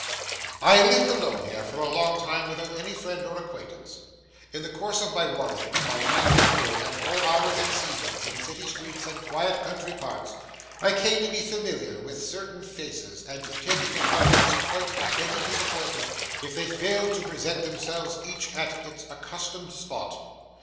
I lived alone here for a long time without any friend or acquaintance. In the course of my wanderings by night and day, at all hours and seasons, in city streets and quiet country parts, I came to be familiar with certain faces, and to take it to heart as quite a heavy disappointment if they failed to present themselves each at its accustomed spot.